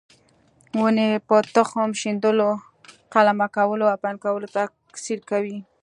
ونې په تخم شیندلو، قلمه کولو او پیوند کولو تکثیر کوي.